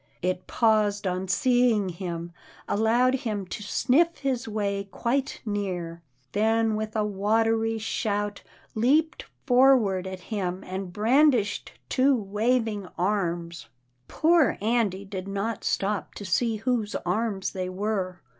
It paused on seeing him, allowed him to sniff his way quite near, then with a watery shout, leaped forward at him, and brandished two waving arms. Poor Andy did not stop to see whose arms they were.